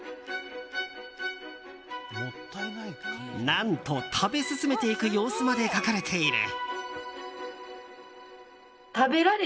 何と、食べ進めていく様子まで描かれている。